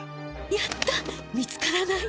やった見つからない！